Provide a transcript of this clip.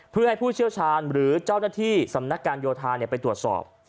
เพื่อให้ผู้เชี่ยวชาญหรือเจ้าหน้าที่สำนักการโยธาไปตรวจสอบ